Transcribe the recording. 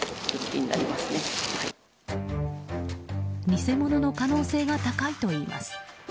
偽物の可能性が高いといいます。